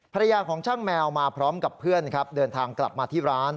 ภรรยาของช่างแมวมาพร้อมกับเพื่อนครับเดินทางกลับมาที่ร้าน